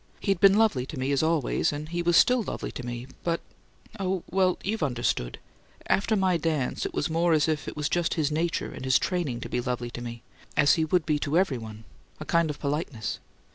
He'd been lovely to me always, and he was still lovely to me but oh, well, you've understood after my dance it was more as if it was just his nature and his training to be lovely to me, as he would be to everyone a kind of politeness.